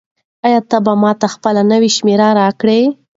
آیا ته به ماته خپله نوې شمېره راکړې؟